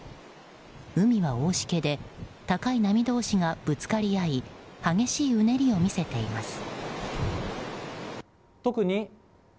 海は大しけで高い波同士がぶつかり合い激しいうねりを見せています。